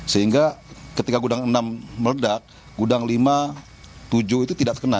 sehingga ketika gudang enam meledak gudang lima tujuh itu tidak terkena